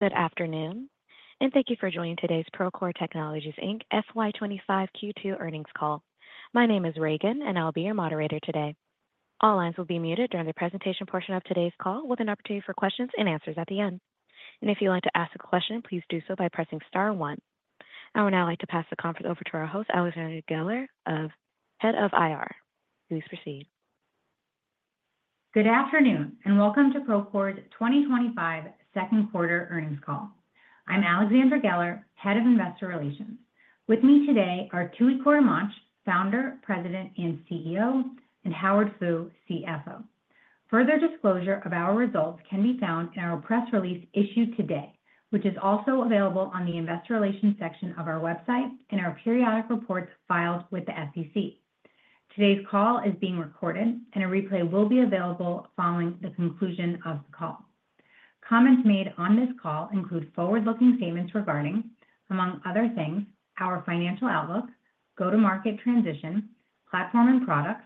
Good afternoon and thank you for joining today's Procore Technologies, Inc FY25 Q2 Earnings Call. My name is Regan and I'll be your moderator today. All lines will be muted during the presentation portion of today's call with an opportunity for questions and answers at the end. If you'd like to ask a question, please do so by pressing star one. I would now like to pass the conference over to our host, Alexandra Geller, Head of Investor Relations. Please proceed. Good afternoon and welcome to Procore's 2025 Second Quarter Earnings Call. I'm Alexandra Geller, Head of Investor Relations. With me today are Tooey Courtemanche, Founder, President and CEO, and Howard Fu, CFO. Further disclosure of our results can be found in our press release issued today, which is also available on the Investor Relations section of our website and our periodic reports filed with the SEC. Today's call is being recorded and a replay will be available following the conclusion of the call. Comments made on this call include forward-looking statements regarding, among other things, our financial outlook, go-to-market transition, platform and products,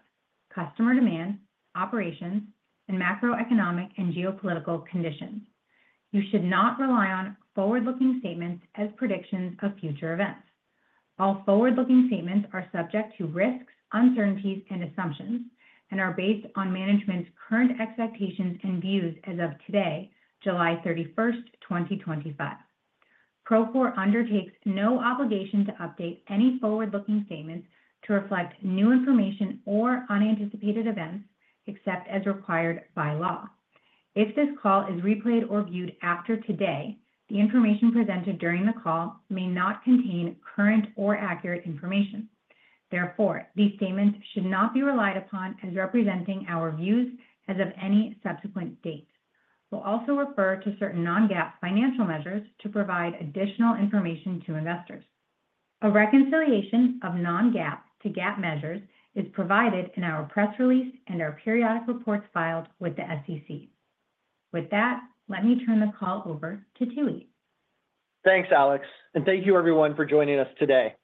customer demand, operations, and macroeconomic and geopolitical conditions. You should not rely on forward-looking statements as predictions of future events. All forward-looking statements are subject to risks, uncertainties, and assumptions and are based on management's current expectations and views. As of today, July 31st 2025, Procore undertakes no obligation to update any forward-looking statements to reflect new information or unanticipated events, except as required by law. If this call is replayed or viewed after today, the information presented during the call may not contain current or accurate information. Therefore, these statements should not be relied upon as representing our views as of any subsequent date. We'll also refer to certain non-GAAP financial measures to provide additional information to investors. A reconciliation of non-GAAP to GAAP measures is provided in our press release and our periodic reports filed with the SEC. With that, let me turn the call over to Tooey. Thanks, Alex, and thank you everyone for joining us today.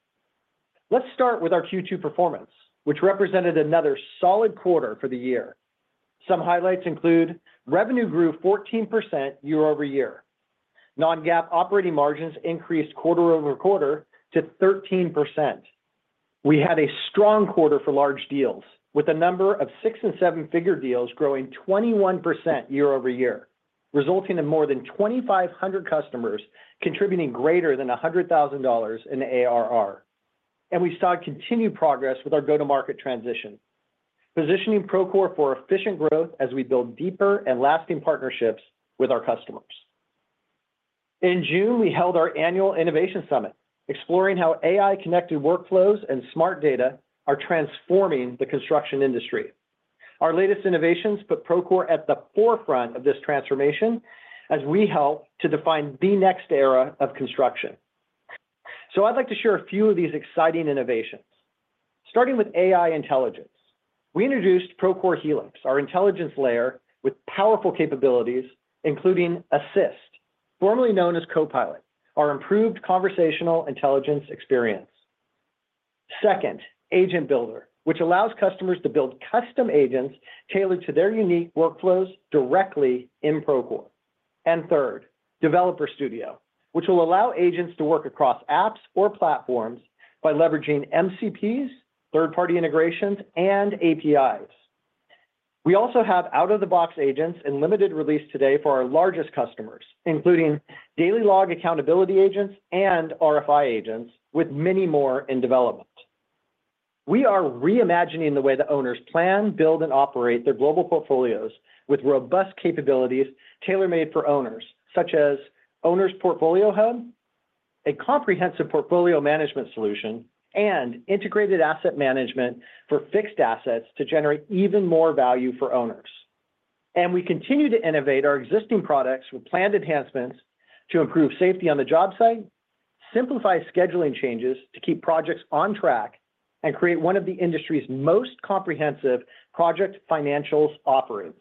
Let's start with our Q2 performance, which represented another solid quarter for the year. Some highlights include revenue grew 14% year-over-year, non-GAAP operating margins increased quarter-over-quarter to 13%. We had a strong quarter for large deals, with a number of six and seven figure deals growing 21% year-over-year, resulting in more than 2,500 customers contributing greater than $100,000 in ARR. We saw continued progress with our go-to-market transition, positioning Procore for efficient growth as we build deeper and lasting partnerships with our customers. In June, we held our annual Innovation Summit, exploring how AI-connected workflows and smart data are transforming the construction industry. Our latest innovations put Procore at the forefront of this transformation as we help to define the next era of construction. I'd like to share a few of these exciting innovations. Starting with AI Intelligence, we introduced Procore Helix, our intelligence layer with powerful capabilities including Assist, formerly known as Copilot, our improved conversational intelligence experience. Second, Agent Builder, which allows customers to build custom agents tailored to their unique workflows directly in Procore, and third, Developer Studio, which will allow agents to work across apps or platforms by leveraging MCPs, third-party integrations, and APIs. We also have out-of-the-box agents in limited release today for our largest customers, including Daily Log Accountability agents and RFI agents. With many more in development, we are reimagining the way that owners plan, build, and operate their global portfolios with robust capabilities tailor-made for owners, such as Owner's Portfolio Hub, a comprehensive portfolio management solution, and Integrated Asset Management for fixed assets to generate even more value for owners. We continue to innovate our existing products with planned enhancements to improve safety on the job site, simplify scheduling changes to keep projects on track, and create one of the industry's most comprehensive project financials offerings.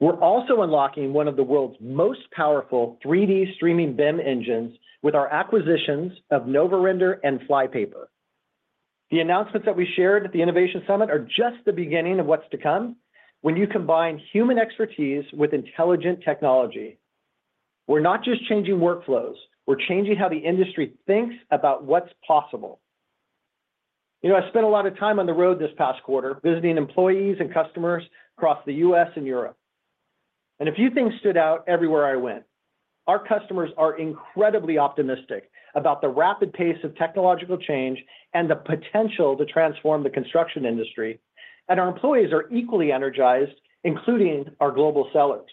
We're also unlocking one of the world's most powerful 3D streaming BIM engines with our acquisitions of Novorender and Flypaper. The announcements that we shared at the Innovation Summit are just the beginning of what's to come. When you combine human expertise with intelligent technology, we're not just changing workflows, we're changing how the industry thinks about what's possible. You know, I spent a lot of time on the road this past quarter visiting employees and customers across the U.S. and Europe, and a few things stood out everywhere I went. Our customers are incredibly optimistic about the rapid pace of technological change and the potential to transform the construction industry, and our employees are equally energized, including our global sellers.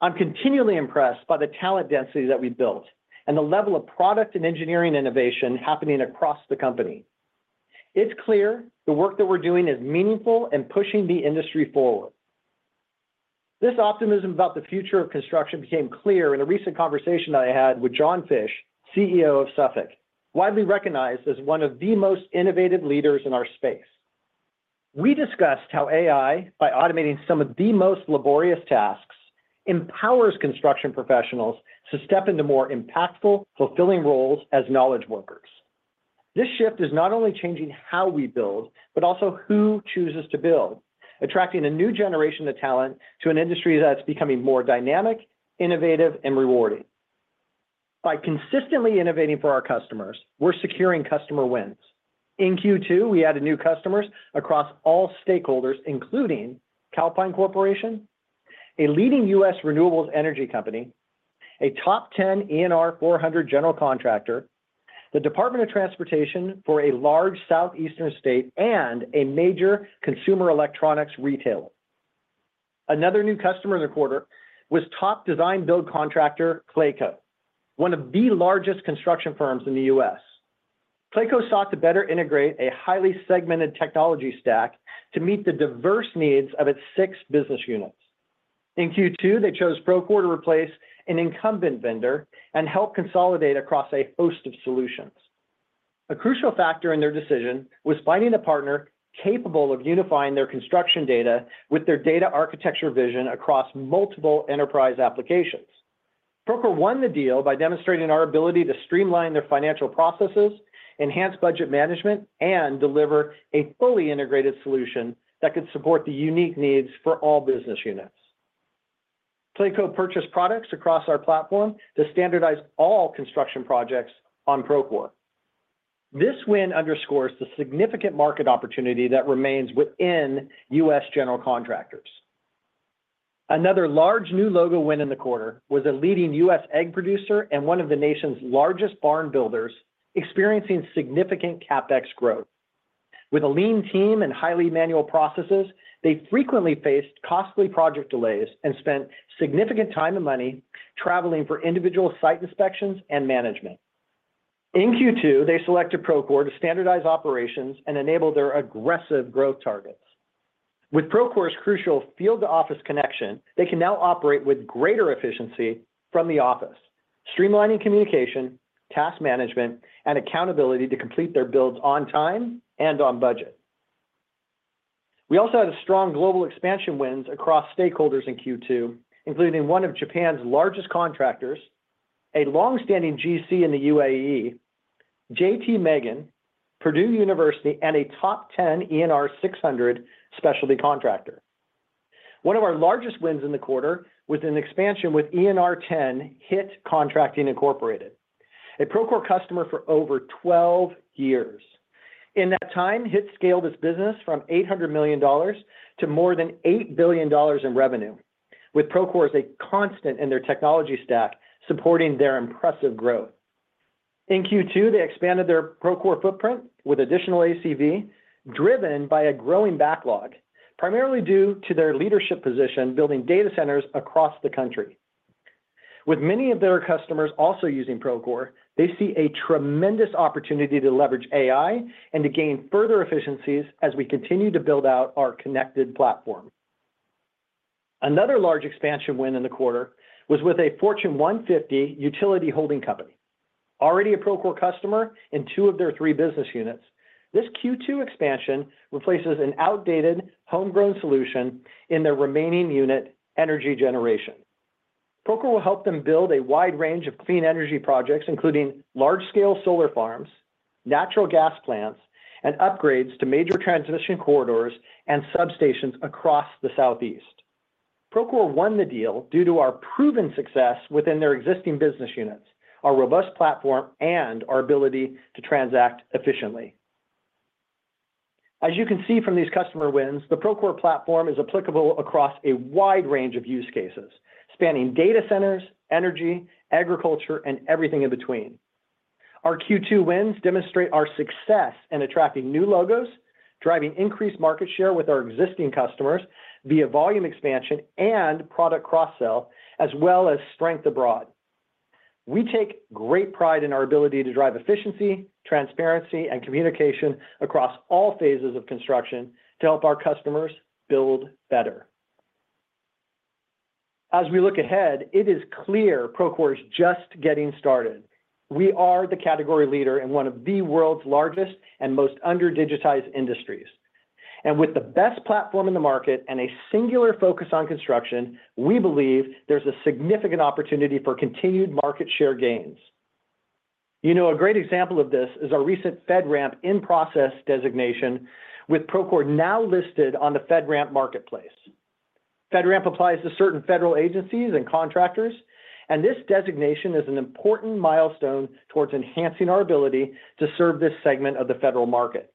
I'm continually impressed by the talent density that we built and the level of product and engineering innovation happening across the company. It's clear the work that we're doing is meaningful and pushing the industry forward. This optimism about the future of construction became clear in a recent conversation that I had with John Fish, CEO of Suffolk, widely recognized as one of the most innovative leaders in our space. We discussed how AI, by automating some of the most laborious tasks, empowers construction professionals to step into more impactful, fulfilling roles as knowledge workers. This shift is not only changing how we build, but also who chooses to build, attracting a new generation of talent to an industry that's becoming more dynamic, innovative, and rewarding. By consistently innovating for our customers, we're securing customer wins. In Q2, we added new customers across all stakeholders, including Calpine Corporation, a leading U.S. renewables energy company, a top 10 ENR 400 general contractor, the Department of Transportation for a large southeastern state, and a major consumer electronics retailer. Another new customer in the quarter was top design-build contractor Clayco, one of the largest construction firms in the U.S. Clayco sought to better integrate a highly segmented technology stack to meet the diverse needs of its six business units. In Q2, they chose Procore to replace an incumbent vendor and help consolidate across a host of solutions. A crucial factor in their decision was finding a partner capable of unifying their construction data with their data architecture vision across multiple enterprise applications. Procore won the deal by demonstrating our ability to streamline their financial processes, enhance budget management, and deliver a fully integrated solution that could support the unique needs for all business units. Clayco purchased products across our platform to standardize all construction projects on Procore. This win underscores the significant market opportunity that remains within U.S. general contractors. Another large new logo win in the quarter was a leading U.S. egg producer and one of the nation's largest barn builders experiencing significant CapEx growth. With a lean team and highly manual processes, they frequently faced costly project delays and spent significant time and money traveling for individual site inspections and management. In Q2, they selected Procore to standardize operations and enable their aggressive growth targets. With Procore's crucial field to office connection, they can now operate with greater efficiency from the office, streamlining communication, task management, and accountability to complete their builds on time and on budget. We also had strong global expansion wins across stakeholders in Q2, including one of Japan's largest contractors, a long-standing GC in the UAE, JT Magen, Purdue University, and a top 10 ENR 600 specialty contractor. One of our largest wins in the quarter was an expansion with ENR 10 HITT Contracting Inc., a Procore customer for over 12 years. In that time, HITT scaled its business from $800 million to more than $8 billion in revenue with Procore as a constant in their technology stack supporting their impressive growth. In Q2, they expanded their Procore footprint with additional ACV driven by a growing backlog, primarily due to their leadership position building data centers across the country. With many of their customers also using Procore, they see a tremendous opportunity to leverage AI and to gain further efficiencies as we continue to build out our connected platform. Another large expansion win in the quarter was with a Fortune 150 utility holding company already a Procore customer in two of their three business units. This Q2 expansion replaces an outdated homegrown solution in their remaining unit, energy generation. Procore will help them build a wide range of clean energy projects, including large-scale solar farms, natural gas plants, and upgrades to major transmission corridors and substations across the Southeast. Procore won the deal due to our proven success within their existing business units, our robust platform, and our ability to transact efficiently. As you can see from these customer wins, the Procore Platform is applicable across a wide range of use cases spanning data centers, energy, agriculture, and everything in between. Our Q2 wins demonstrate our success in attracting new logos, driving increased market share with our existing customers via volume expansion and product cross-sell, as well as strength abroad. We take great pride in our ability to drive efficiency, transparency, and communication across all phases of construction to help our customers build better. As we look ahead, it is clear Procore is just getting started. We are the category leader in one of the world's largest and most under-digitized industries, and with the best platform in the market and a singular focus on construction, we believe there's a significant opportunity for continued market share gains. A great example of this is our recent FedRAMP in-process designation, with Procore now listed on the FedRAMP marketplace. FedRAMP applies to certain federal agencies and contractors, and this designation is an important milestone towards enhancing our ability to serve this segment of the federal market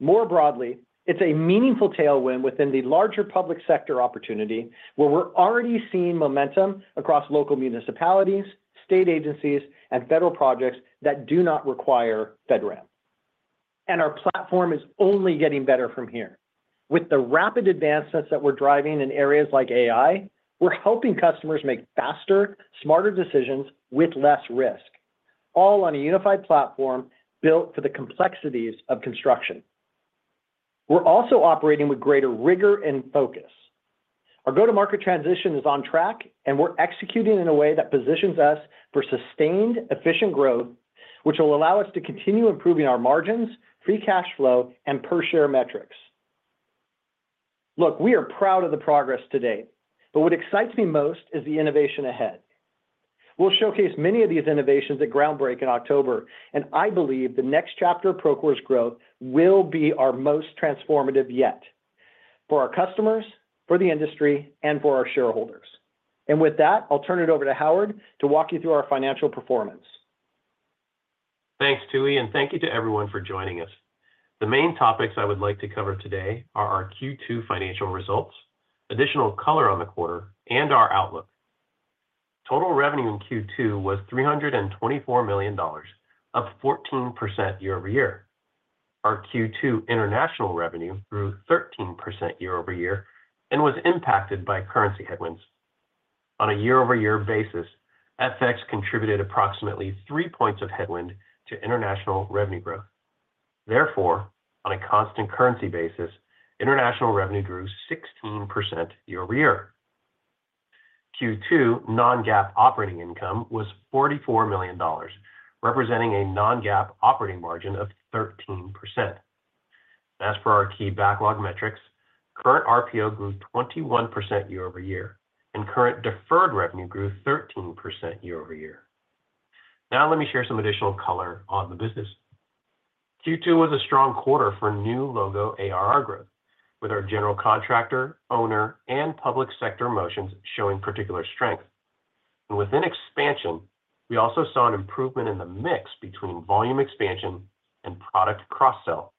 more broadly. It's a meaningful tailwind within the larger public sector opportunity, where we're already seeing momentum across local municipalities, state agencies, and federal projects that do not require FedRAMP. Our platform is only getting better from here. With the rapid advancements that we're driving in areas like AI, we're helping customers make faster, smarter decisions with less risk, all on a unified platform built for the complexities of construction. We're also operating with greater rigor and focus. Our go-to-market transition is on track, and we're executing in a way that positions us for sustained, efficient growth, which will allow us to continue improving our margins, free cash flow, and per share metrics. We are proud of the progress to date, but what excites me most is the innovation ahead. We'll showcase many of these innovations at Groundbreak in October, and I believe the next chapter of Procore's growth will be our most transformative yet for our customers, for the industry, and for our shareholders. With that, I'll turn it over to Howard to walk you through our financial performance. Thanks Tooey and thank you to everyone for joining us. The main topics I would like to cover today are our Q2 financial results, additional color on the quarter, and our outlook. Total revenue in Q2 was $324 million, up 14% year-over-year. Our Q2 international revenue grew 13% year-over-year and was impacted by currency headwinds. On a year-over-year basis, FX contributed approximately 3 points of headwind to international revenue growth. Therefore, on a constant currency basis, international revenue grew 16% year-over-year. Q2 non-GAAP operating income was $44 million, representing a non-GAAP operating margin of 13%. As for our key backlog metrics, current RPO grew 21% year-over-year and current deferred revenue grew 13% year-over-year. Now let me share some additional color on the business. Q2 was a strong quarter for new logo ARR growth with our general contractor, owner, and public sector motions showing particular strength, and within expansion we also saw an improvement in the mix between volume expansion and product cross-sell.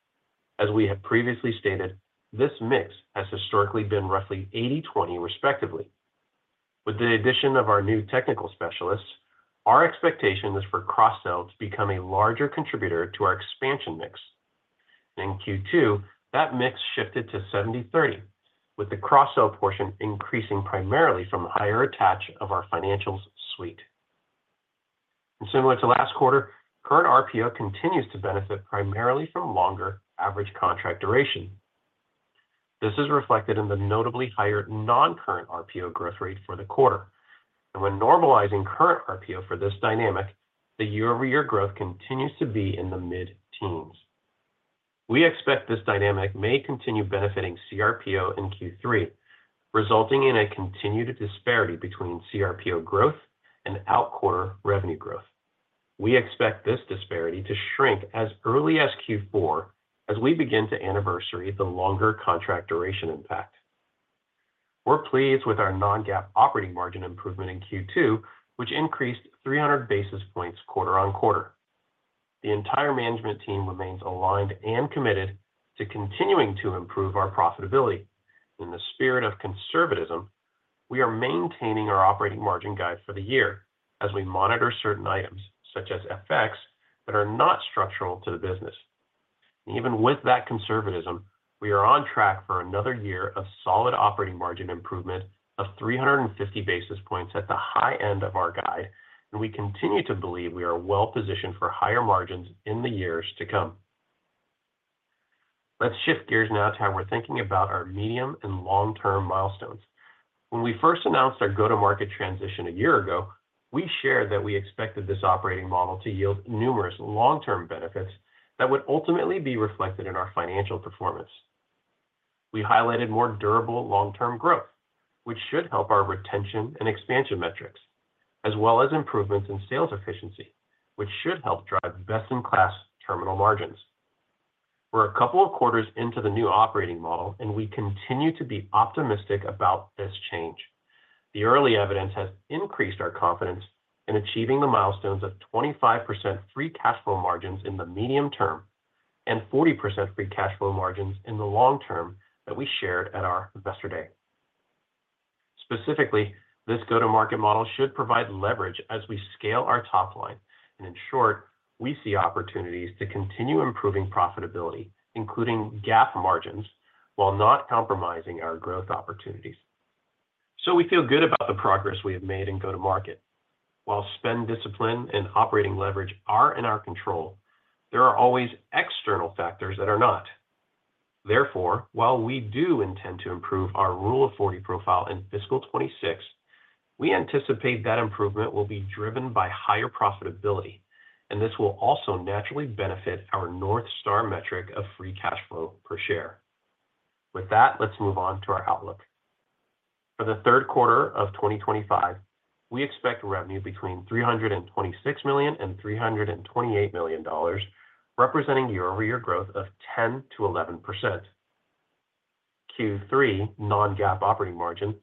As we have previously stated, this mix has historically been roughly 80/20 respectively. With the addition of our new technical specialists, our expectation is for cross-sell to become a larger contributor to our expansion mix. In Q2, that mix shifted to 70/30 with the cross-sell portion increasing primarily from the higher attach of our financials suite. Similar to last quarter, current RPO continues to benefit primarily from longer average contract duration. This is reflected in the notably higher non-current RPO growth rate for the quarter, and when normalizing current RPO for this dynamic, the year-over-year growth continues to be in the mid-teens. We expect this dynamic may continue benefiting CRPO in Q3, resulting in a continued disparity between CRPO growth and out-quarter revenue growth. We expect this disparity to shrink as early as Q4 as we begin to anniversary the longer contract duration impact. We're pleased with our non-GAAP operating margin improvement in Q2, which increased 300 basis points quarter on quarter. The entire management team remains aligned and committed to continuing to improve our profitability. In the spirit of conservatism, we are maintaining our operating margin guide for the year as we monitor certain items such as FX that are not structural to the business. Even with that conservatism, we are on track for another year of solid operating margin improvement of 350 basis points. At the high end of our guide, we continue to believe we are well-positioned for higher margins in the years to come. Let's shift gears now to how we're thinking about our medium and long term milestones. When we first announced our go-to-market transition a year ago, we shared that we expected this operating model to yield numerous long term benefits and that would ultimately be reflected in our financial performance. We highlighted more durable long term growth, which should help our retention and expansion metrics, as well as improvements in sales efficiency, which should help drive best-in-class terminal margins. We're a couple of quarters into the new operating model, and we continue to be optimistic about this change. The early evidence has increased our confidence in achieving the milestones of 25% free cash flow margins in the medium term and 40% free cash flow margins in the long term that we shared at our investor day. Specifically, this go-to-market model should provide leverage as we scale our top line, and in short, we see opportunities to continue improving profitability, including GAAP margins, while not compromising our growth opportunities. We feel good about the progress we have made in go-to-market. While spend discipline and operating leverage are in our control, there are always external factors that are not. Therefore, while we do intend to improve our Rule of 40 profile in fiscal 2026, we anticipate that improvement will be driven by higher profitability, and this will also naturally benefit our North Star metric of free cash flow per share. With that, let's move on to our outlook for the third quarter of 2025. We expect revenue between $326 million and $328 million, representing year-over-year growth of 10% to 11%. Q3 non-GAAP operating margin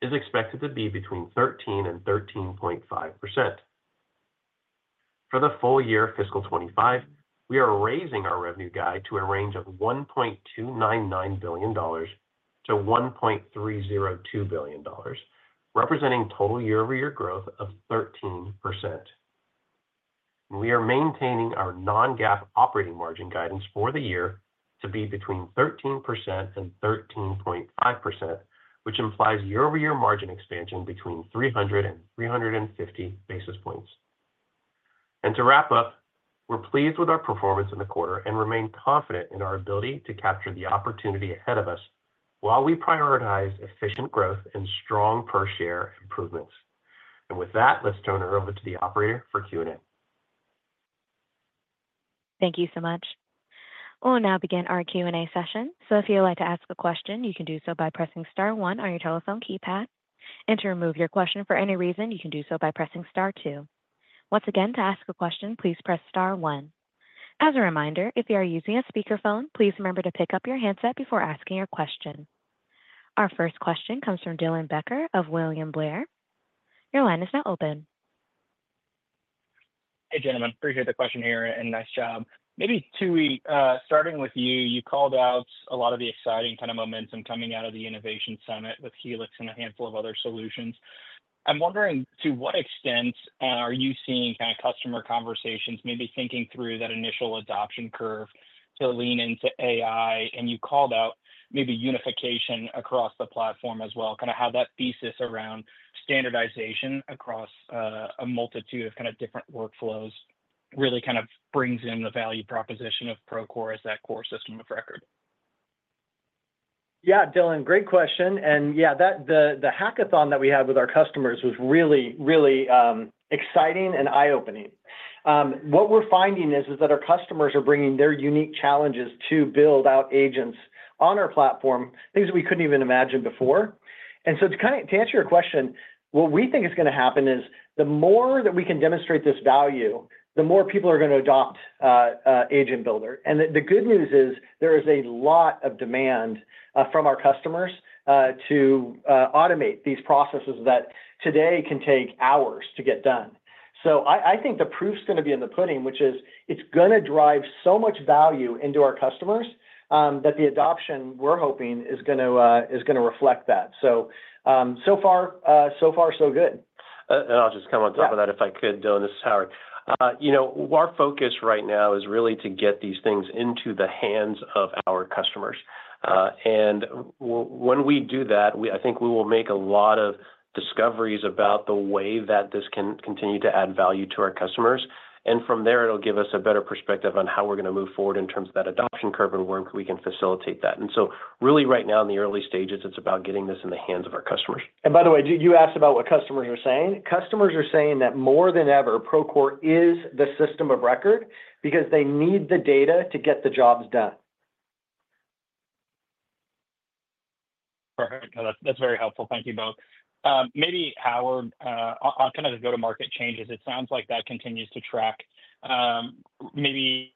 is expected to be between 13% and 13.5%. For the full year fiscal 2025, we are raising our revenue guide to a range of $1.299 billion to $1.302 billion, representing total year-over-year growth of 13%. We are maintaining our non-GAAP operating margin guidance for the year to be between 13% and 13.5%, which implies year-over-year margin expansion between 300 and 350 basis points. To wrap up, we're pleased with our performance in the quarter and remain confident in our ability to capture the opportunity ahead of us while we prioritize efficient growth and strong per share improvements. With that, let's turn it over to the operator for Q&A. Thank you so much. We'll now begin our Q&A session. If you'd like to ask a question, you can do so by pressing star one on your telephone keypad. To remove your question for any reason, you can do so by pressing star two. Once again, to ask a question, please press star one. As a reminder, if you are using a speakerphone, please remember to pick up your handset before asking your question. Our first question comes from Dylan Becker of William Blair. Your line is now open. Hey, gentlemen. Appreciate the question here and nice job. Maybe Tooey, starting with you, you called out a lot of the exciting kind of momentum coming out of the Innovation Summit with Helix and a handful of other solutions. I'm wondering to what extent are you seeing customer conversations, maybe thinking through that initial adoption curve to lean into AI and you called out maybe unification across the platform as well. Kind of how that thesis around standardization across a multitude of kind of different workflows really kind of brings in the value proposition of Procore as that core system of record. Yeah, Dylan, great question. The hackathon that we had with our customers was really, really exciting and eye opening. What we're finding is that our customers are bringing their unique challenges to build out agents on our platform, things that we couldn't even imagine before. To answer your question, what we think is going to happen is the more that we can demonstrate this value, the more people are going to adopt Agent Builder. The good news is there is a lot of demand from our customers to automate these processes that today can take hours to get done. I think the proof's going to be in the pudding, which is it's going to drive so much value into our customers that the adoption we're hoping is going to reflect that. So far, so far so good. I'll just come on top of. If I could. Dylan, this is Howard. Our focus right now is really to get these things into the hands of our customers. When we do that, I think we will make a lot of discoveries about the way that this can continue to add value to our customers. From there, it'll give us a better perspective on how we're going to move forward in terms of that adoption curve and where we can facilitate that. Right now, in the early stages, it's about getting this in the hands of our customers. By the way, you asked about what customers are saying. Customers are saying that more than ever, Procore is the system of record because they need the data to get the jobs done. Perfect. That's very helpful. Thank you both. Maybe Howard, on the go-to-market changes, it sounds like that continues to track, maybe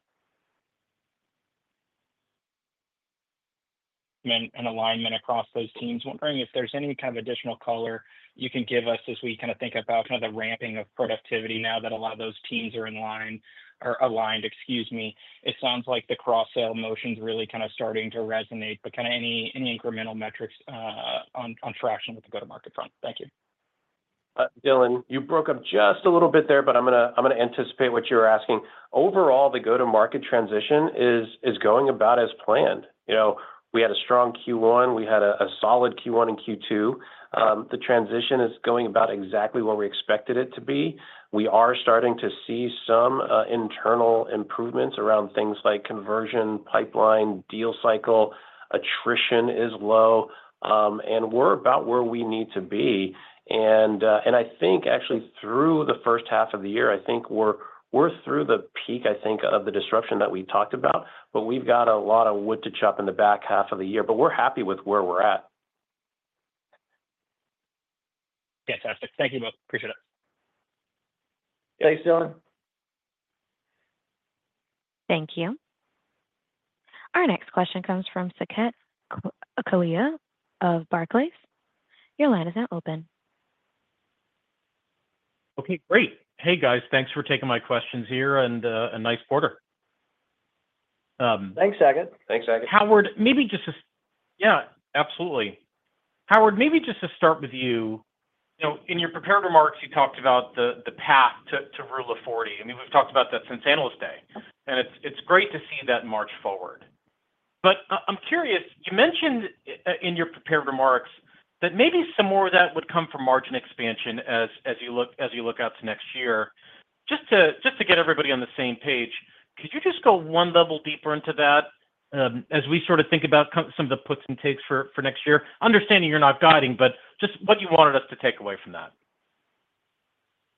an alignment across those teams. Wondering if there's any additional color you can give us as we think about the ramping of productivity now that a lot of those teams are in line or aligned. It sounds like the cross-sell motions really starting to resonate, but any incremental metrics on traction with the go-to-market front. Thank you. Dylan, you broke up just a little bit there, but I'm going to anticipate what you're asking. Overall, the go-to-market transition is going about as planned. We had a strong Q1, we had a solid Q1 and Q2. The transition is going about exactly where we expected it to be. We are starting to see some internal improvements around things like conversion pipeline, deal cycle, attrition is low and we're about where we need to be. I think actually through the first half of the year, we're through the peak, I think, of the disruption that we talked about. We've got a lot of wood to chop in the back half of the year. We're happy with where we're at. Fantastic. Thank you both. Appreciate it. Thanks, Dylan. Thank you. Our next question comes from Saket Kalia of Barclays. Your line is now open. Okay, great. Hey guys, thanks for taking my questions here and a nice quarter. Thanks, Saket. Thanks. Saket. Howard, maybe just. Yeah, absolutely. Howard, maybe just to start with you, in your prepared remarks, you talked about the path to Rule of 40. We've talked about that since Analyst Day and it's great to see that march forward. I'm curious, you mentioned in your prepared remarks that maybe some more of that would come from margin expansion as you look out to next year. Just to get everybody on the same page, could you just go one level deeper into that as we sort of think about some of the puts and takes for next year? Understanding you're not guiding, just what you wanted us to take away from that.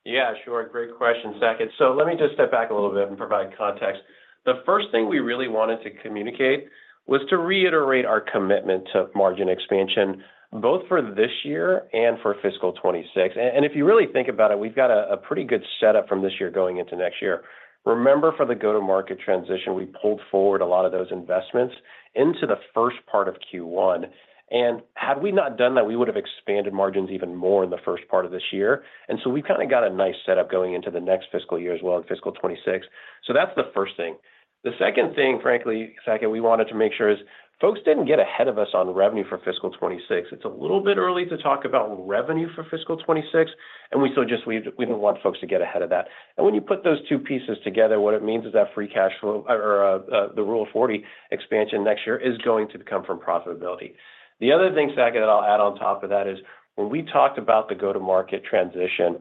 Yeah, sure. Great question, Saket. Let me just step back a little bit and provide context. The first thing we really wanted to communicate was to reiterate our commitment to margin expansion both for this year and for fiscal 2026. If you really think about it, we've got a pretty good setup from this year going into next year. Remember, for the go-to-market transition, we pulled forward a lot of those investments into the first part of Q1, and had we not done that, we would have expanded margins even more in the first part of this year. We've kind of got a nice setup going into the fiscal year as well in fiscal 2026. That's the first thing. The second thing, frankly, we wanted to make sure is folks didn't get ahead of us on revenue for fiscal 2026. It's a little bit early to talk about revenue for fiscal 2026, and we just don't want folks to get ahead of that. it creates a much more compelling value proposition. Together, what it means is that free cash flow or the Rule 40 expansion next year is going to come from profitability. The other thing that I'll add on top of that is when we talked about the go-to-market transition,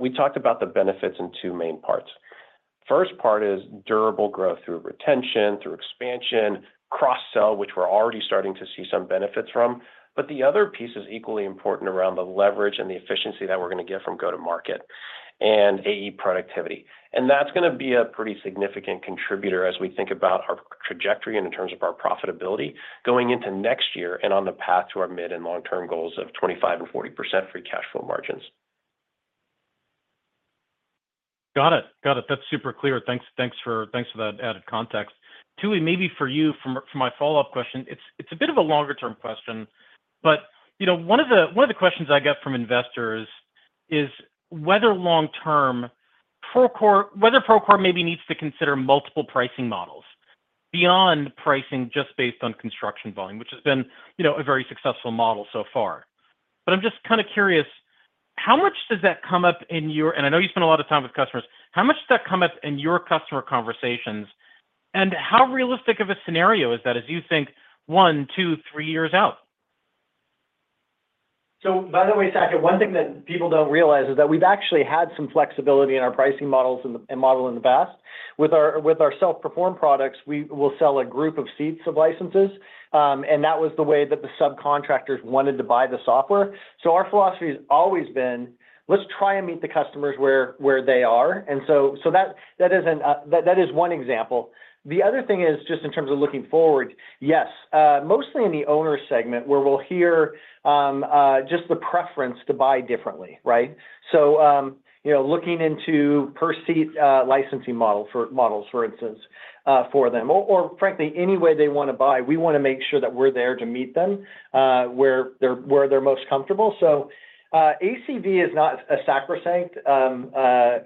we talked about the benefits in two main parts. The first part is durable growth through retention, through expansion, cross-sell, which we're already starting to see some benefits from. The other piece is equally important around the leverage and the efficiency that we're going to get from go-to-market and AE productivity. That's going to be a pretty significant contributor as we think about our trajectory in terms of our profitability going into next year and on the path to our mid and long-term goals of 25% and 40% free cash flow margins. Got it. That's super clear. Thanks for that added context. Tooey, maybe for you for my follow-up question. It's a bit of a longer-term question, but one of the questions I get from investors is whether long-term Procore, whether Procore maybe needs to consider multiple pricing models beyond pricing just based on construction volume, which has been a very successful model so far. I'm just kind of curious how much does that come up in your. I know you spend a lot of time with customers. How much does that come up in your customer conversations and how realistic of a scenario is that as you think one, two, three years out? By the way, one thing that people don't realize is that we've actually had some flexibility in our pricing models and model in the past with our self perform products. We will sell a group of seats of licenses, and that was the way that the subcontractors wanted to buy the software. Our philosophy has always been let's try and meet the customers where they are, and that is one example. The other thing is just in terms of looking forward. Yes, mostly in the owner segment where we'll hear just the preference to buy differently, right? Looking into per seat licensing models, for instance, for them, or frankly any way they want to buy. We want to make sure that we're there to meet them where they're most comfortable. ACV is not a sacrosanct,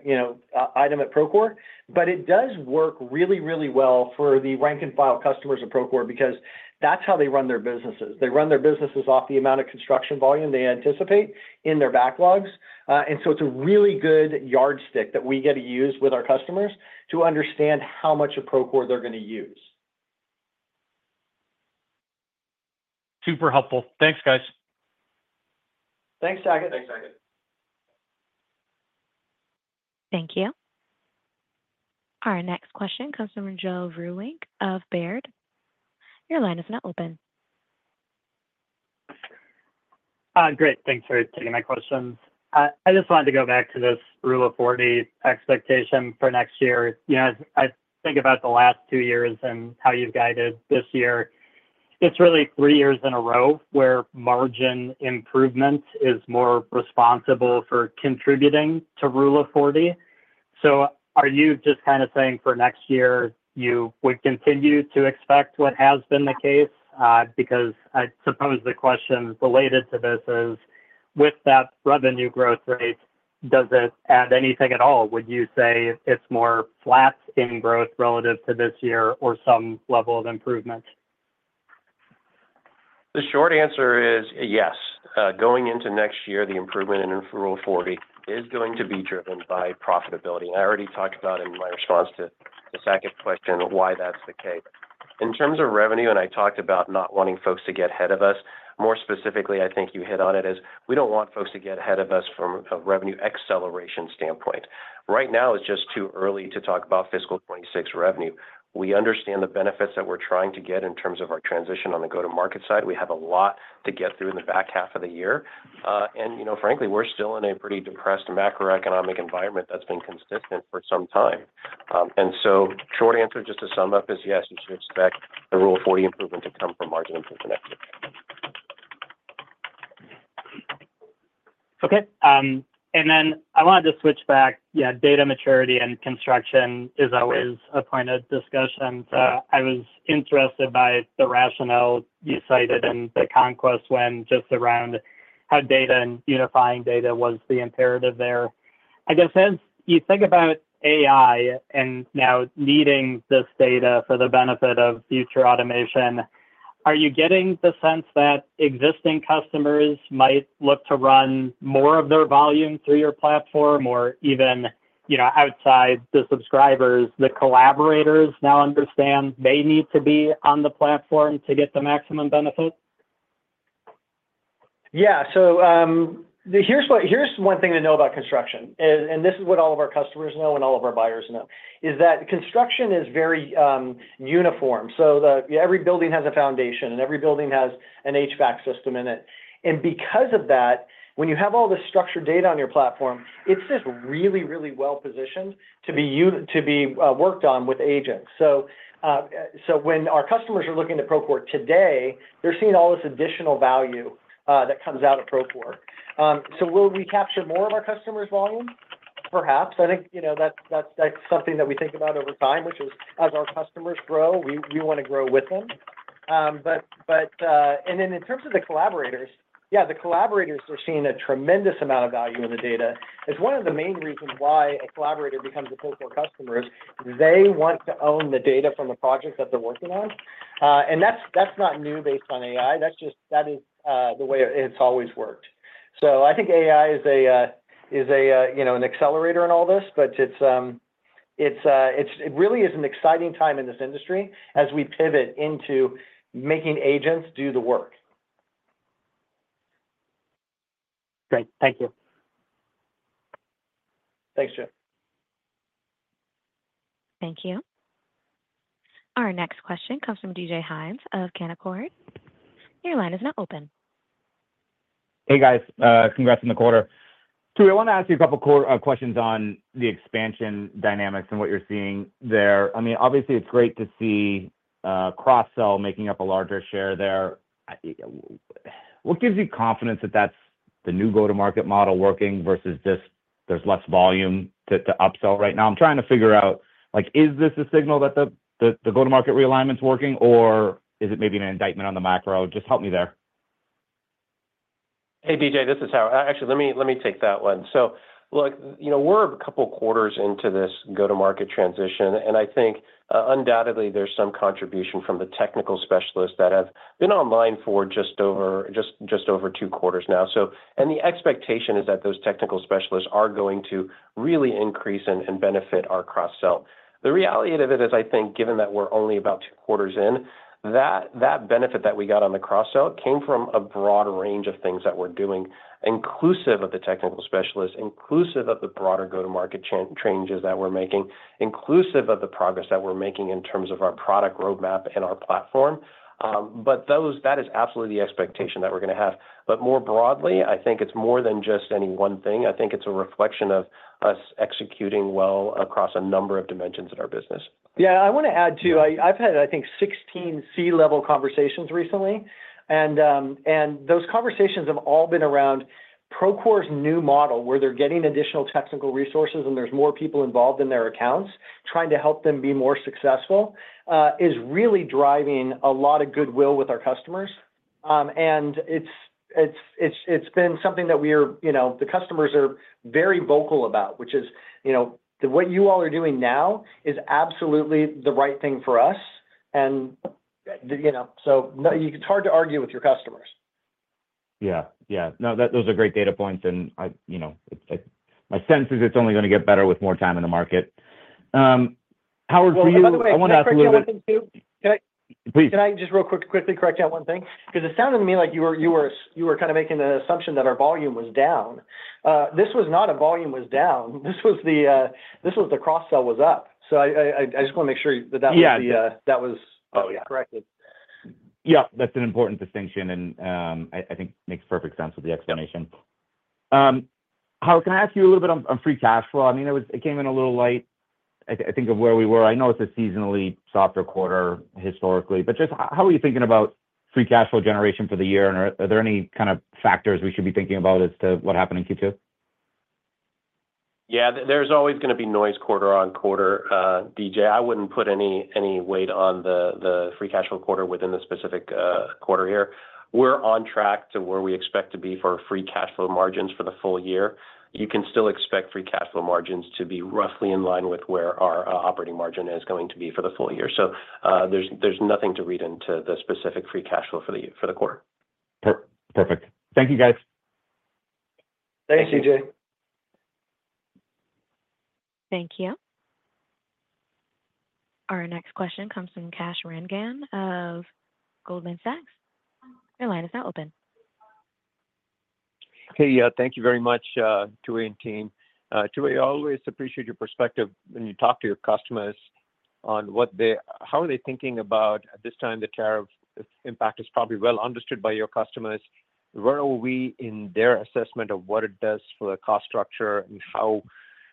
you know, item at Procore, but it does work really, really well for the rank and file customers of Procore because that's how they run their businesses. They run their businesses off the amount of construction volume they anticipate in their backlogs, and it's a really good yardstick that we get to use with our customers to understand how much of Procore. They're going to use. Super helpful. Thanks guys. Thanks. Thank you. Our next question comes from Joe Vruwink of Baird. Your line is now open. Great. Thanks for taking my questions. I just wanted to go back to this Rule of 40 expectation for next year. I think about the last two years and how you've guided this year. It's really three years in a row where margin improvement is more responsible for contributing to Rule of 40. Are you just kind of saying for next year you would continue to expect what has been the case? I suppose the question related to this is with that revenue growth rate, does it add anything at all? Would you say it's more flat in growth relative to this year or some level of improvement? The short answer is yes. Going into next year, the improvement in Rule of 40 is going to be driven by profitability. I already talked about in my response to the second question why that's the case in terms of revenue. I talked about not wanting folks to get ahead of us. More specifically, I think you hit on it as we don't want folks to get ahead of us. From a revenue acceleration standpoint, right now it's just too early to talk about fiscal 2026 revenue. We understand the benefits that we're trying to get in terms of our transition on the go-to-market side. We have a lot to get through in the back half of the year, and frankly we're still in a pretty depressed macroeconomic environment that's been consistent for some time. The short answer just to sum up is yes, you should expect the Rule of 40 improvement to come from margin improvement, equity. Okay. I wanted to switch back. Data maturity in construction is always a point of discussion. I was interested by the rationale you cited in the Conquest when just around how data and unifying data was the imperative there. I guess as you think about AI and now needing this data for the benefit of future automation, are you getting the sense that existing customers might look to run more of their volume through your platform or even, you know, outside the subscribers. The collaborators now understand they need to be on the platform to get the maximum benefit. Here's one thing to know about construction, and this is what all of our customers know and all of our buyers know, is that construction is very uniform. Every building has a foundation and every building has an HVAC system in it. Because of that, when you have all the structured data on your platform, it's just really, really well-positioned to be used to be worked on with agents. When our customers are looking to Procore today, they're seeing all this additional value that comes out of Procore. Will we capture more of our customers' volume? Perhaps. I think that's something that we think about over time, which is as our customers grow, we want to grow with. In terms of the collaborators, the collaborators are seeing a tremendous amount of value in the data. It's one of the main reasons why a collaborator becomes a total customer. They want to own the data from the project that they're working on. That's not new based on AI. That is the way it's always worked. I think AI is an accelerator in all this, but it really is an exciting time in this industry as we pivot into making agents do the work. Great, thank you. Thanks, Joe. Thank you. Our next question comes from DJ Hynes of Canaccord. Your line is now open. Hey guys, congrats on the quarter. I want to ask you a couple questions on the expansion dynamics and what you're seeing there. Obviously it's great to see cross-sell making up a larger share there. What gives you confidence that that's the new go-to-market model working versus this? There's less volume to upsell? Right now I'm trying to figure out, is this a signal that the go-to-market realignment's working or is it maybe an indictment on the macro? Just help me there. Hey, this is Howard. Actually, let me take that one. Look, we're a couple quarters into this go-to-market transition, and I think undoubtedly there's some contribution from the technical specialists that have been online for just over two quarters now. The expectation is that those technical specialists are going to really increase and benefit our cross-sell. The reality of it is, I think given that we're only about two quarters in, that benefit that we got on the cross-sell came from a broad range of things that we're doing, inclusive of the technical specialists, inclusive of the broader go-to-market changes that we're making, inclusive of the progress that we're making in terms of our product roadmap and our platform. That is absolutely the expectation that we're going to have. More broadly, I think it's more than just any one thing. I think it's a reflection of us executing well across a number of dimensions in our business. I want to add too, I think I've had 16 C-level conversations recently, and those conversations have all been around Procore's new model where they're getting additional technical resources and there's more people involved in their accounts trying to help them be more successful. This is really driving a lot of goodwill with our customers. It's been something that we are, you know, the customers are very vocal about, which is, you know, what you all are doing now is absolutely the right thing for us. You know, it's hard to argue with your customers. Yeah, yeah. No, those are great data points and I, you know, my sense is it's only going to get better with more time in the market. Howard, for you, I want to ask a little, can I just quickly correct one thing? Because it sounded to me like you were kind of making the assumption that our volume was down. This was not a volume was down. The cross-sell was up. I just want to make sure that was corrected. Yeah. That's an important distinction, and I think makes perfect sense with the explanation. How. Can I ask you a little bit on free cash flow? I mean, it came in. A little light, I think, of where we were. I know it's a seasonally softer quarter historically, but just how are you thinking about free cash flow generation for the year, and are there any kind of Factors we should be thinking about. What happened in Q2? Yeah, there's always going to be noise quarter-on-quarter. I wouldn't put any weight on the free cash flow quarter within the specific quarter. Here we're on track to where we expect to be for free cash flow margins for the full year. You can still expect free cash flow margins to be roughly in line with where our operating margin is going to be for the full year. There's nothing to read into the specific free cash flow for the quarter. Perfect. Thank you, guys. Thanks, DJ. Thank you. Our next question comes from Kash Rangan of Goldman Sachs. Your line is now open. Thank you very much. Tooey and team, Tooey, always appreciate your. Perspective when you talk to your customers. On what they, how are they thinking about at this time? The tariff impact is probably well-understood by your customers. Where are we in their assessment of what it does for the cost structure? How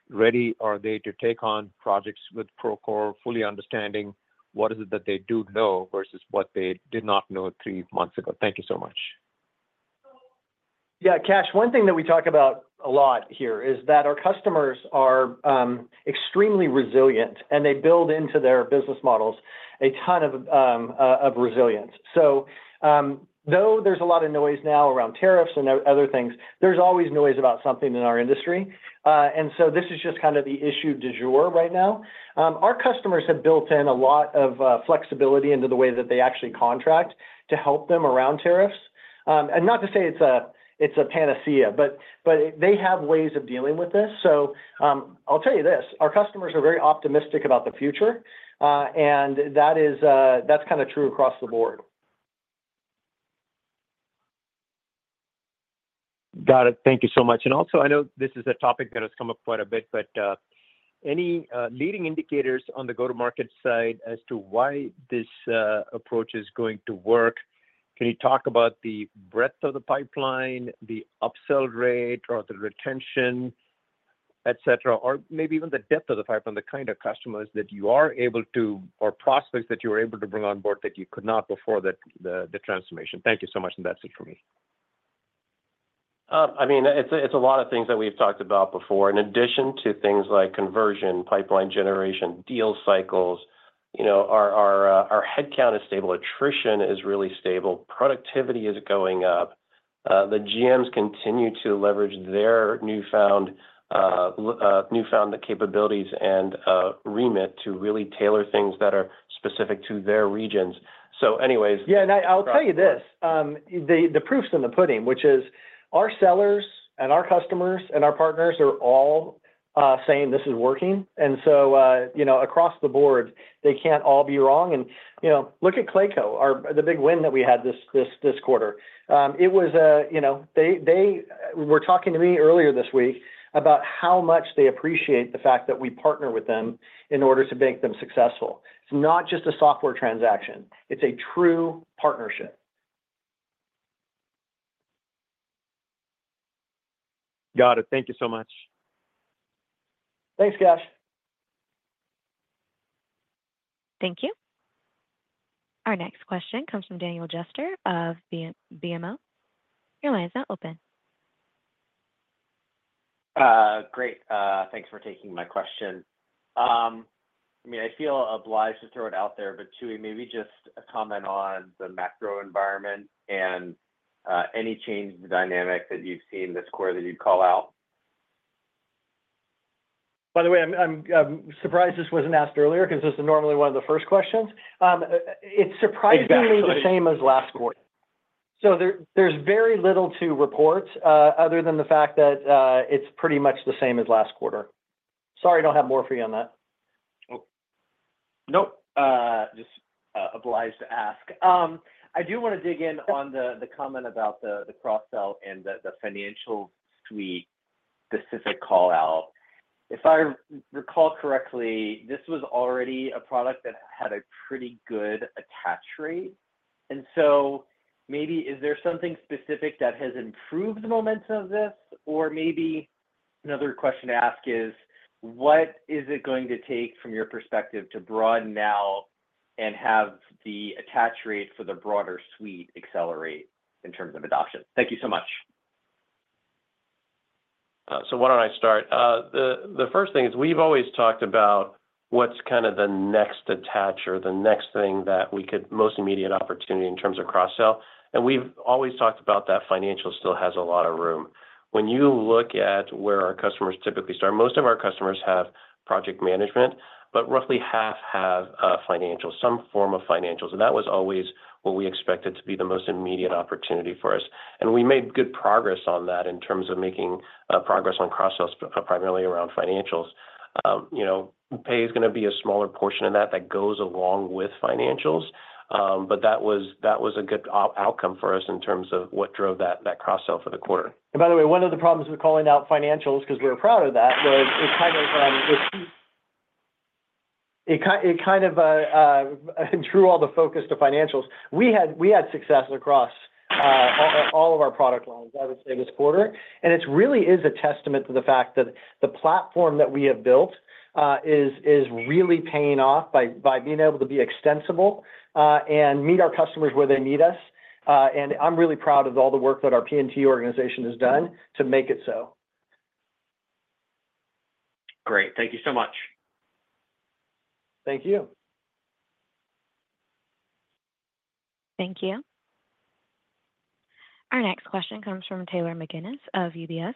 ready are they to take? On projects with Procore, fully understanding what is it that they do know versus what they did not know three months ago? Thank you so much. Yeah, Kash, one thing that we talk about a lot here is that our customers are extremely resilient and they build into their business models a ton of resilience. Though there's a lot of noise now around tariffs and other things, there's always noise about something in our industry. This is just kind of the issue du jour right now. Our customers have built in a lot of flexibility into the way that they actually contract to help them around tariffs. Not to say it's a panacea, but they have ways of dealing with this. I'll tell you this, our customers are very optimistic about the future. That is kind of true across the board. Got it. Thank you so much. I know this is a. Topic that has come up quite a bit. Any leading indicators on the. Go-to-market side as to why this approach is going to work. Can you talk about the breadth of. The pipeline, the upsell rate or the retention, et cetera, or maybe even the— Depth of the pipeline, the kind of customers that you are able to or prospects that you were able to bring on board that you could not before the transformation. Thank you so much. That's it for me. I mean, it's a lot of things that we've talked about before in addition to things like conversion, pipeline, generation, deal cycles, you know, our headcount is stable, attrition is really stable, productivity is going up. The GMs continue to leverage their newfound capabilities and remit to really tailor things that are specific to their regions. Yeah, I'll tell you. The proof's in the pudding, which is our sellers and our customers and our partners are all saying this is working. Across the board they can't all be wrong. Look at Clayco, the big win that we had this quarter. They were talking to me earlier this week about how much they appreciate the fact that we partner with them in order to make them successful. It's not just a software transaction, it's a true partnership. Got it. Thank you so much. Thanks Kash. Thank you. Our next question comes from Daniel Jester of BMO. Your line is now open. Great. Thanks for taking my question. I feel obliged to throw it out there, but Tooey, maybe just comment on the macro environment and any change in the dynamic that you've seen. This quarter that you'd call out. By the way, I'm surprised this wasn't asked earlier because this is normally one of the first questions. It's surprisingly the same as last quarter, so there's very little to report other than the fact that it's pretty much the same as last quarter. Sorry, I don't have more for you on that. Nope, just obliged to ask. I do want to dig in on the comment about the cross-sell and the financial suite specific call out. If I recall correctly, this was already a product that had a pretty good attach rate. Maybe is there something specific that has improved the momentum of this? Maybe another question to ask is what is it going to take from your perspective to broaden now and have the attach rate for the broader suite accelerate in terms of adoption? Thank you so much. Why don't I start? The first thing is we've always talked about what's kind of the next attach or the next thing that we could most immediate opportunity in terms of cross-sell. We've always talked about that financial still has a lot of room when you look at where our customers typically start. Most of our customers have project management, but roughly half have financial, some form of financials. That was always what we expected to be the most immediate opportunity for us. We made good progress on that in terms of making progress on cross-sells primarily around financials. You know, pay is going to be a smaller portion of that that goes along with financials. That was a good outcome for us in terms of what drove that cross-sell for the quarter. One of the problems with calling out financials, because we're proud of that, is it kind of drew all the focus to financials we had. We had success across all of our product lines, I would say this quarter. It really is a testament to the fact that the platform that we have built is really paying off by being able to be extensible and meet our customers where they need us. I'm really proud of all the work that our P&T organization has done to make it so. Great. Thank you so much. Thank you. Thank you. Our next question comes from Taylor Anne McGinnis of UBS.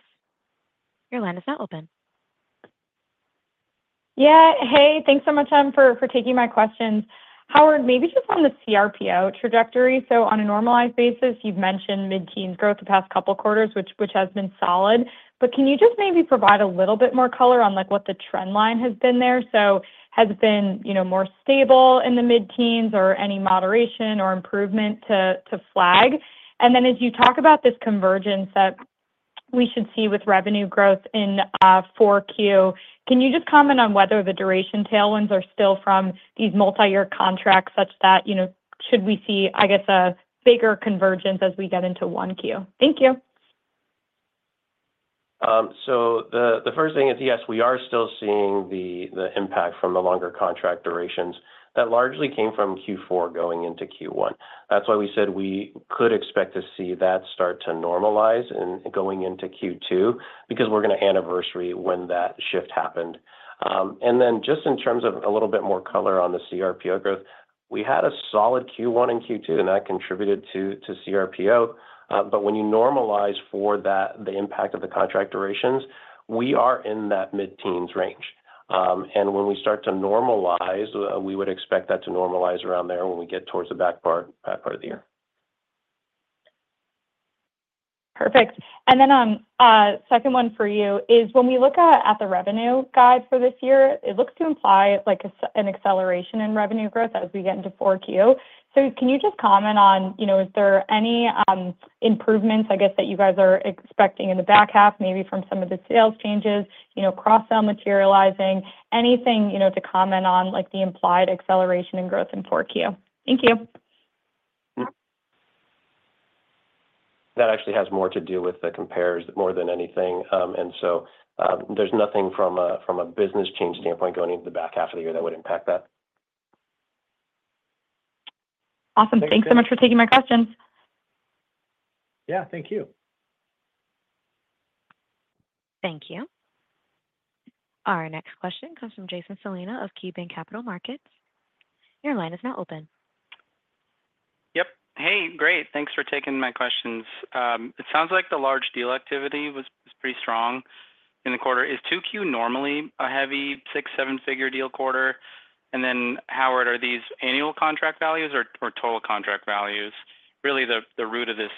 Your line is now open. Yeah. Hey, thanks so much for taking my questions. Howard, maybe just on the CRPO trajectory. On a normalized basis you've mentioned mid-teens growth the past couple quarters, which has been solid, but can you just maybe provide a little bit more color on what the trend line has been there? Has it been more stable in the mid-teens or any moderation or improvement to flag? As you talk about this convergence that we should see with revenue growth in 4Q, can you just comment on whether the duration tailwinds are still from these multi-year contracts such that, you know, should we see, I guess, a bigger convergence as we get into 1Q? Thank you. The first thing is, yes, we are still seeing the impact from the longer contract durations that largely came from Q4 going into Q1. That's why we said we could expect to see that start to normalize going into Q2 because we're going to anniversary when that shift happened. In terms of a little bit more color on the CRPO growth, we had a solid Q1 and Q2 and that contributed to CRPO. When you normalize for the impact of the contract durations, we are in that mid-teens range, and when we start to normalize, we would expect that to normalize around there when we get towards the back part of the year. Perfect. The second one for you is when we look at the revenue guide for this year, it looks to imply like an acceleration in revenue growth as we get into 4Q. Can you just comment on, you know, is there any improvements I guess that you guys are expecting in the back half maybe from some of the sales changes, you know, cross-sell materializing, anything to comment on like the implied acceleration in growth in 4Q. Thank you. That actually has more to do with the compares more than anything. There's nothing from a business change standpoint going into the back half of the year that would impact that. Awesome. Thanks so much for taking my questions. Yeah, thank you. Thank you. Our next question comes from Jason Celino of KeyBanc Capital Markets. Your line is now open. Yep. Hey, great. Thanks for taking my questions. It sounds like the large deal activity. Was pretty strong in the quarter. Is 2Q normally a heavy $67 million deal quarter? Howard, are these annual contract? Values or total contract values, really the root of this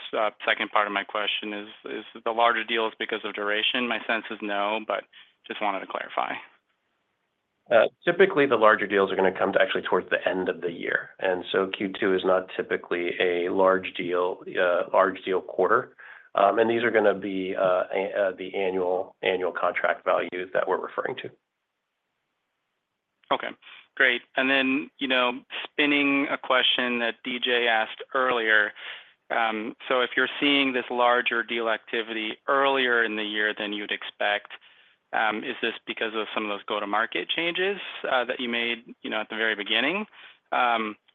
second part of my question, is the larger deals because of duration? My sense is no. I just wanted to clarify, typically the. Larger deals are going to come actually towards the end of the year. Q2 is not typically a large deal, large deal quarter, and these are going to be the annual contract values that we're referring to. Okay, great. You know, spinning a question that DJ asked earlier, if you're seeing this larger deal activity earlier in the year than you'd expect, is this because of some of. Those go-to-market changes that you. Made at the very beginning,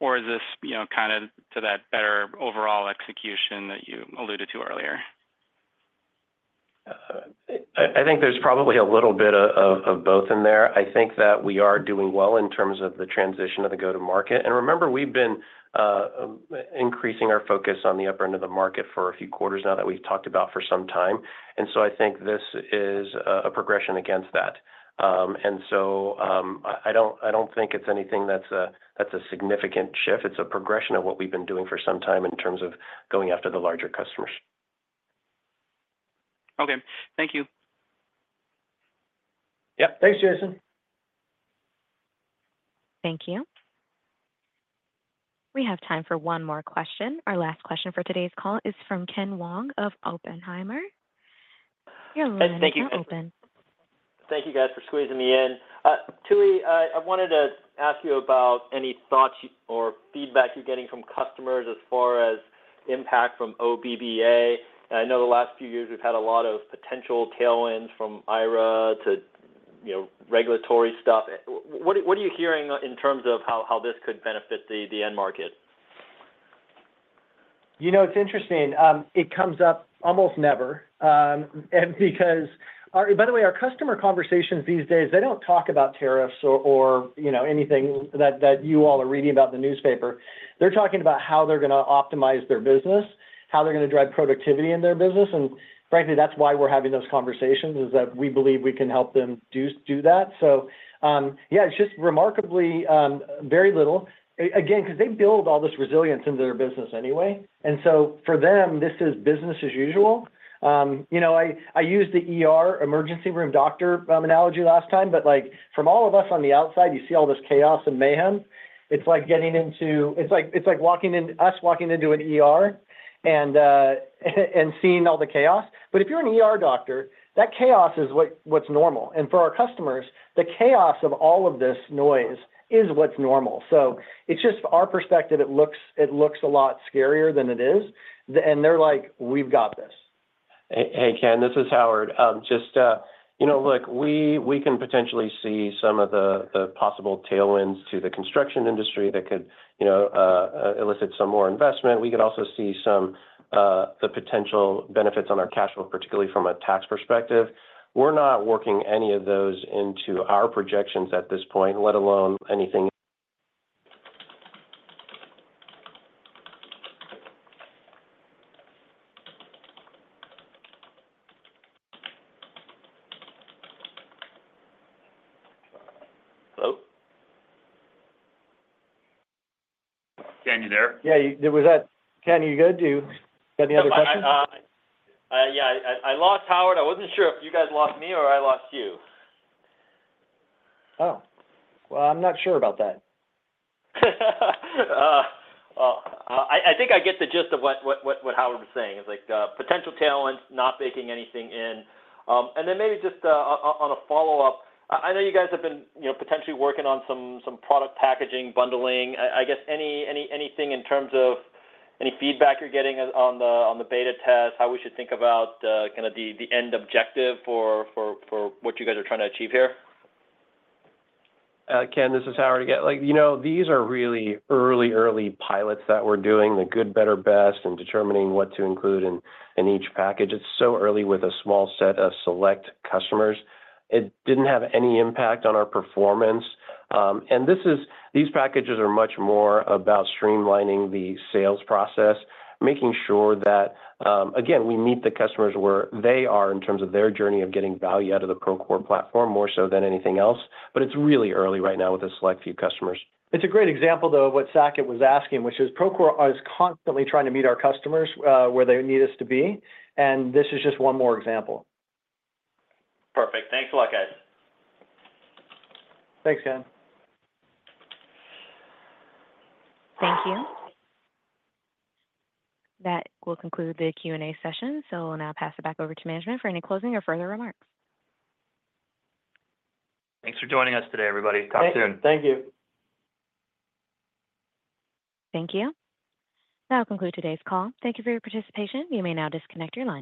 or is this kind of. To that better overall execution that you alluded to earlier? I think there's probably a little bit of both in there. I think that we are doing well in terms of the transition of the go-to-market. Remember, we've been increasing our focus on the upper end of the market for a few quarters now that we've talked about for some time. I think this is a progression against that. I don't think it's anything that's a significant shift. It's a progression of what we've been doing for some time in terms of going after the large customers. Okay, thank you. Yep, thanks, Jason. Thank you. We have time for one more question. Our last question for today's call is from Ken Wong of Oppenheimer. Thank you guys for squeezing me in. Tooey, I wanted to ask you about any thoughts or feedback you're getting from customers as far as impact from OBBA. I know the last few years we've had a lot of potential tailwinds from AIRA to regulatory stuff. What are you hearing in terms of how this could benefit the end market? You know, it's interesting, it comes up almost never because, by the way, our customer conversations these days, they don't talk about tariffs or anything that you all are reading about in the newspaper. They're talking about how they're going to optimize their business, how they're going to drive productivity in their business. Frankly, that's why we're having those conversations, is that we believe we can help them do that. Yeah, it's just remarkably very little. Again, because they build all this resilience into their business anyway, for them, this is business as usual. I used the ER emergency room doctor analogy last time, but like from all of us on the outside, you see all this chaos and mayhem. It's like walking in, us walking into an ER and seeing all the chaos. If you're an ER doctor, that chaos is what's normal. For our customers, the chaos of all of this noise is what's normal. It's just our perspective, it looks a lot scarier than it is. They're like, we've got this. Hey, Ken, this is Howard. We can potentially see some of the possible tailwinds to the construction industry that could elicit some more investment. We could also see some of the potential benefits on our cash flow, particularly from a tax perspective. We're not working any of those into our projections at this point, let alone anything. Hello, Ken, you there? Yeah. Ken, you good? Do you got any other questions? Yeah, I lost Howard. I wasn't sure if you guys lost me or I lost you. I'm not sure about that. I think I get the gist of what Howard was saying. It's like potential talents not baking anything in. Maybe just on a follow up, I know you guys have been potentially working on some product packaging bundling, I guess. Anything in terms of any feedback you're getting on the beta test, how we should think about the end objective for what you guys are trying to achieve here. Ken, this is Howard. These are really early pilots that we're doing, the good, better, best, and determining what to include in each package. It's so early with a small set of select customers, it didn't have any impact on our performance. These packages are much more about streamlining the sales process, making sure that, again, we meet the customers where they are in terms of their journey of getting value out of the Procore Platform more so than anything else. It's really early right now with a select few customers. It's a great example of what Saket was asking, which is Procore is constantly trying to meet our customers where they need us to be. This is just one more example. Perfect. Thanks a lot, guys. Thanks, Ken. Thank you. That will conclude the Q&A session. I'll now pass it back over to management for any closing or further remarks. Thanks for joining us today, everybody. Talk soon. Thank you. Thank you. That will conclude today's call. Thank you for your participation. You may now disconnect your lines.